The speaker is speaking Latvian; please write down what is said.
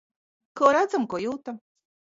Ko redzam, ko jūtam.